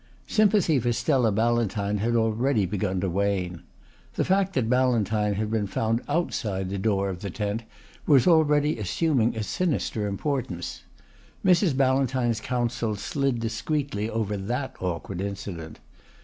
Sympathy for Stella Ballantyne had already begun to wane. The fact that Ballantyne had been found outside the door of the tent was already assuming a sinister importance. Mrs. Ballantyne's counsel slid discreetly over that awkward incident.